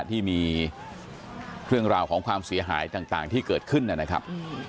ที่มีเรื่องราวของความเสียหายต่างที่เกิดขึ้นนะครับ